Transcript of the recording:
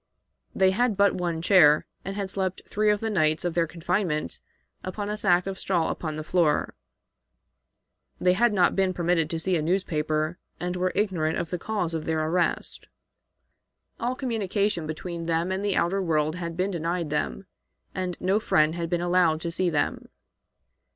They had but one chair, and had slept three of the nights of their confinement upon a sack of straw upon the floor. They had not been permitted to see a newspaper, and were ignorant of the cause of their arrest. All communication between them and the outer world had been denied them, and no friend had been allowed to see them.